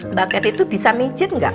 mbak kat itu bisa mijet gak